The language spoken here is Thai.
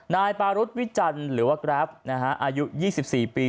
นายปารุษวิจันหรือว่ากราฟนะฮะอายุยี่สิบสี่ปี